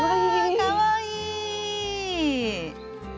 かわいい！